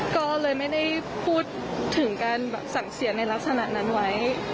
ก็เลยไม่ได้พูดถึงการสั่งเสียในลักษณะนั้นไว้